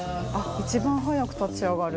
一番早く立ち上がる。